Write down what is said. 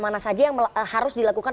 mana saja yang harus dilakukan